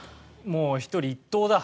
もう１人１投だ。